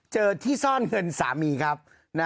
เจอที่ซ่อนเงินสามีครับ